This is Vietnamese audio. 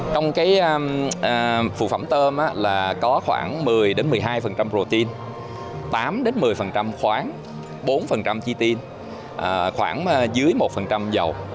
trong phụ phẩm tôm có khoảng một mươi một mươi hai protein tám một mươi khoáng bốn chitin khoảng dưới một dầu